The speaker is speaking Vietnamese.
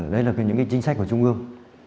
đây là những chính sách của trung ương